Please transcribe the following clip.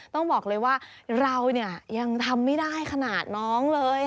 ต้องบอกเลยว่าเราเนี่ยยังทำไม่ได้ขนาดน้องเลย